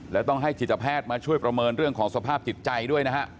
แล้วต้องให้จิตแพทย์มาช่วยประเมินเรื่องของสภาพจิตใจด้วยนะฮะ